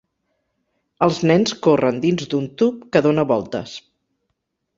Els nens corren dins d'un tub que dona voltes.